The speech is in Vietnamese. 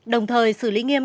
đồng thời xử lý nghiêm